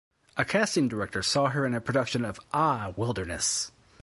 A casting director saw her in a production of Ah, Wilderness!